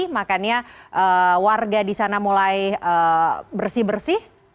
makanya warga di sana mulai bersih bersih